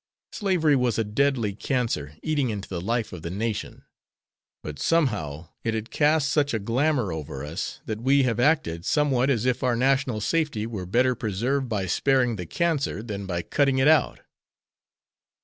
Slavery was a deadly cancer eating into the life of the nation; but, somehow, it had cast such a glamour over us that we have acted somewhat as if our national safety were better preserved by sparing the cancer than by cutting it out."